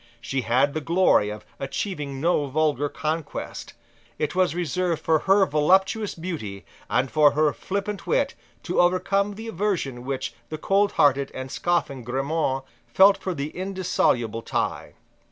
She had the glory of achieving no vulgar conquest. It was reserved for her voluptuous beauty and for her flippant wit to overcome the aversion which the coldhearted and scoffing Grammont felt for the indissoluble tie.